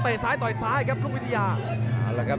ต่อยซ้ายต่อยซ้ายครับลูกวิทยา